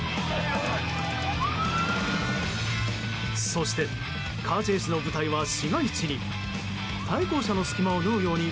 そして、カーチェイスの舞台は市街地に。